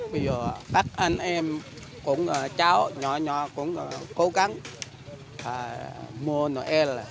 bây giờ các anh em cũng cháu nhỏ nhỏ cũng cố gắng mua noel